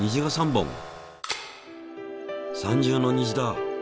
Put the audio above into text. ３重の虹だ。